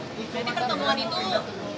jadi pertemuan itu